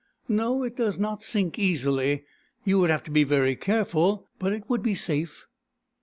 " No, it does not sink easily. You would have to be very careful, but it would be safe."